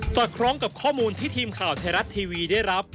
อดคล้องกับข้อมูลที่ทีมข่าวไทยรัฐทีวีได้รับ